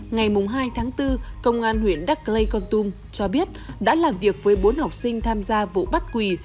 ngày hai tháng bốn công an huyện đắc lây con tum cho biết đã làm việc với bốn học sinh tham gia vụ bắt quỳ